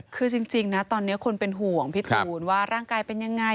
คือจริงนะตอนนี้คนเป็นห่วงพี่ตูนว่าร่างกายเป็นยังไง